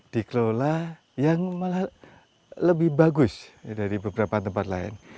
dikelola yang lebih bagus dari beberapa tempat lain